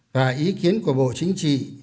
và ý kiến của bộ chính trị